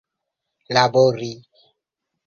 labori